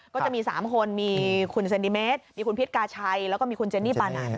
ก็จะมี๓คนมีคุณเซนติเมตรมีคุณพิษกาชัยแล้วก็มีคุณเจนี่ปานัน